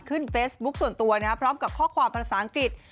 ขึ้นเฟสบุ๊คส่วนตัวพร้อมกับข้อความภาษาอังกฤษ